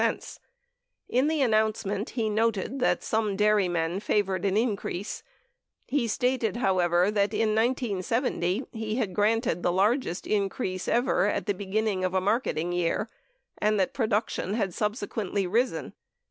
In the announcement, he noted that some dairymen favored an increase. 93 He stated, however, that in 1970. he had granted the largest increase ever at the beginning of a marketing year and that production had subsequently risen.